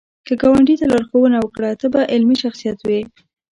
که ګاونډي ته لارښوونه وکړه، ته به علمي شخصیت وې